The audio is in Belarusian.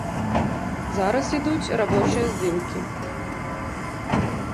Зараз ідуць рабочыя здымкі.